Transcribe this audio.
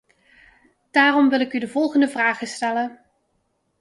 Daarom wil ik u de volgende vragen stellen.